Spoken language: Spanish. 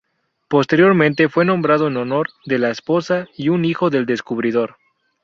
Posteriormente fue nombrado en honor de la esposa y un hijo del descubridor.